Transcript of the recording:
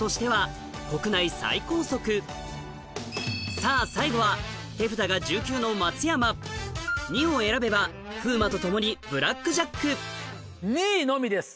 さぁ最後は手札が１９の松山２を選べば風磨と共にブラックジャック２位のみです